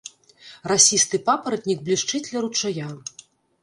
Расісты папаратнік блішчыць ля ручая.